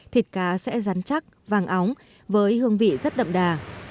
thịt cá sẽ rắn chắc vàng óng với hương vị rất đậm đà